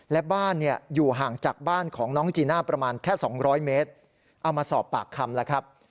และบ้านอยู่ห่างจากบ้านของน้องจีน่าประมาณแค่๒๐๐เมตรเอามาสอบปากคำแล้วครับ